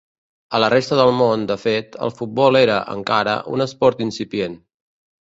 A la resta del món, de fet, el futbol era, encara, un esport incipient.